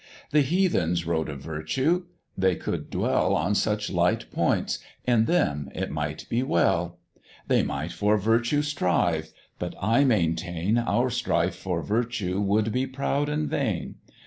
The Heathens wrote of Virtue: they could dwell On such light points: in them it might be well; They might for virtue strive; but I maintain, Our strife for virtue would be proud and vain.